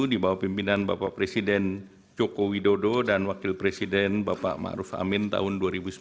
di bawah pimpinan bapak presiden joko widodo dan wakil presiden bapak ma ruf amin tahun dua ribu dua puluh